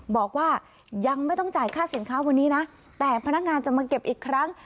บอกว่ายังไม่ต้องจ่ายค่าสินค้าวันนี้นะแต่พนักงานจะมาเก็บอีกครั้ง